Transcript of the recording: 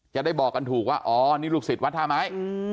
จะได้บอกกันถูกว่าอ๋อนี่ลูกศิษย์วัดท่าไม้